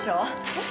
えっ？